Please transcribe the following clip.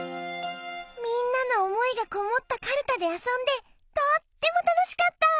みんなの思いがこもったかるたで遊んでとっても楽しかった！